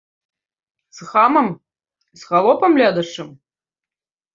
З хамам, з халопам лядашчым?!